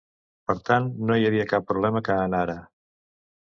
Per tant, no hi havia cap problema que anara.